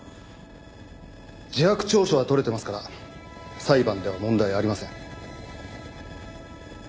自白調書は取れてますから裁判では問題ありません。